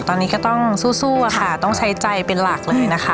ตอนนี้ก็ต้องสู้ค่ะต้องใช้ใจเป็นหลักเลยนะคะ